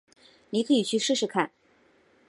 妳可以去试试看